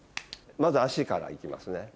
まず足から行きますね。